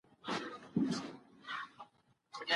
ښه چلند د انسان د پرمختګ لومړنی ګام دی.